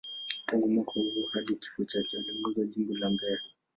Tangu mwaka huo hadi kifo chake, aliongoza Jimbo la Mbeya.